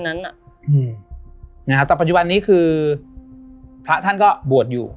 แต่ปัจจุบันนี้คือพระท่านก็บวชอยู่